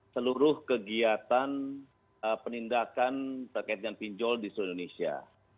seluruh kegiatan penindakan terkait dengan pinjol di seluruh indonesia